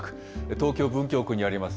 東京・文京区にあります